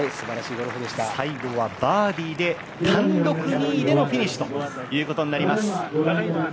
最後はバーディーで、単独２位でのフィニッシュとなります